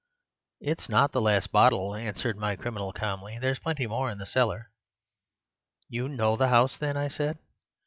"'It's not the last bottle,' answered my criminal calmly; 'there's plenty more in the cellar.' "'You know the house, then?' I said.